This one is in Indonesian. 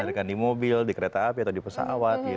adegan di mobil di kereta api atau di pesawat